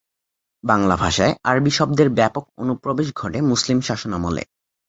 বাংলা ভাষায় আরবি শব্দের ব্যাপক অনুপ্রবেশ ঘটে মুসলিম শাসনামলে।